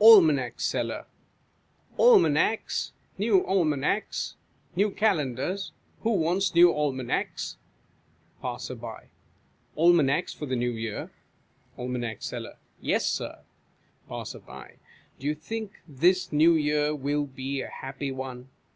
Almanac Seller. Almanacs ! New Almanacs ! New Calendars ! Who wants new Almanacs ? Passer ly. Almanacs for the New Year ? Aim. Seller. Yes, Sir. Passer. Do you think this New Year will be a happy one